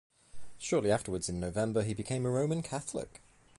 Shortly afterwards, in November, he became a Roman Catholic.